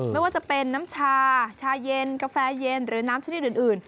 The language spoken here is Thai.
ไม่ว่าจะเป็นน้ำชาชาเย็นกาแฟเย็นหรือน้ำชนิดอื่น